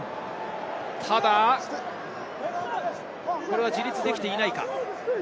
ただこれは自立できていないか。